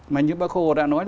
mà như bác hồ đã nói